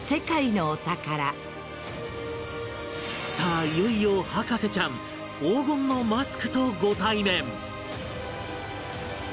さあいよいよ博士ちゃん黄金のマスクとご対面！